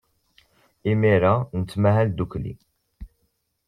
Imir-a, nettmahal ddukkli.